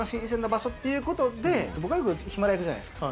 僕はよくヒマラヤに行くじゃないですか。